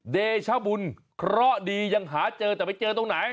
เดชบุญเคราะห์ดียังหาเจอแต่ไปเจอตรงไหน